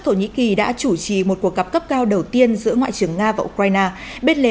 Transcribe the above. thổ nhĩ kỳ đã chủ trì một cuộc gặp cấp cao đầu tiên giữa ngoại trưởng nga và ukraine bên lề